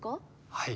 はい。